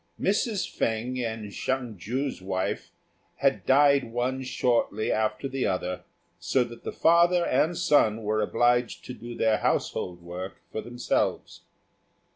Mrs. Fêng and Hsiang ju's wife had died one shortly after the other, so that the father and son were obliged to do their household work for themselves.